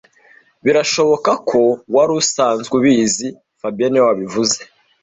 Birashoboka ko wari usanzwe ubizi fabien niwe wabivuze